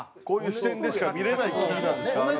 こういう視点でしか見れない期なんですか？